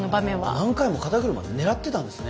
何回も肩車をねらってたんですね。